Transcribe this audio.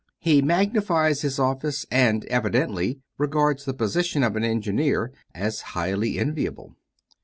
He magnifies his office, and evidently regards the position of an engineer as highly enviable.